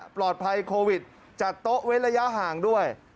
ปลอดภัยโควิดจัดโต๊ะเว้นระยะห่างด้วย